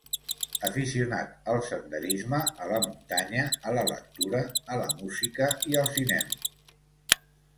Aficionat al senderisme, a la muntanya, a la lectura, a la música i al cinema.